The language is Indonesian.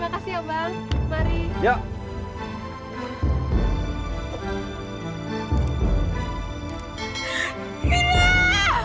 terima kasih ya bang mari yuk